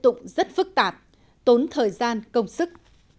điều này cũng rất phức tạp tốn thời gian công sức